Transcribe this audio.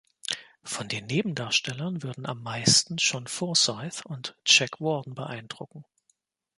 Von den Nebendarstellern würden am meisten John Forsythe und Jack Warden beeindrucken.